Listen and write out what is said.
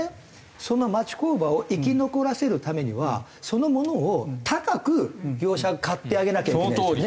その町工場を生き残らせるためにはその物を高く業者が買ってあげなきゃいけないですよね。